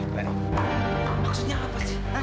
laino maksudnya apa sih